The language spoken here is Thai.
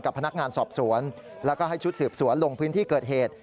พนักงานสอบสวนแล้วก็ให้ชุดสืบสวนลงพื้นที่เกิดเหตุ